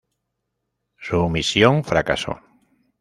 Su misión fracasó.